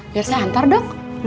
biar saya hantar dok